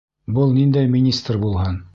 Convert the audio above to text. Был ниндәй министр булһын!